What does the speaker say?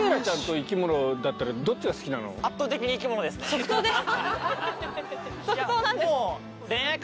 即答です。